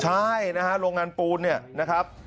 ใช่โรงงานปูนนะครับ